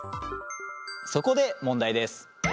そこで問題です。